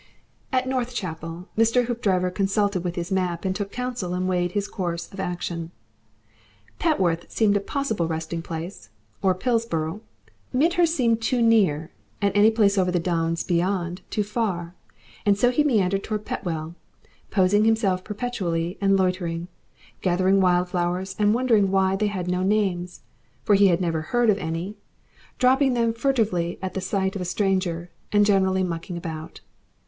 At Northchapel Mr. Hoopdriver consulted his map and took counsel and weighed his course of action. Petworth seemed a possible resting place, or Pullborough; Midhurst seemed too near, and any place over the Downs beyond, too far, and so he meandered towards Petworth, posing himself perpetually and loitering, gathering wild flowers and wondering why they had no names for he had never heard of any dropping them furtively at the sight of a stranger, and generally 'mucking about.